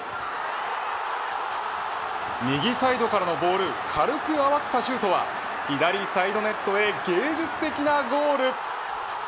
右サイドからのボール軽く合わせたシュートは左サイドネットへ芸術的なゴール。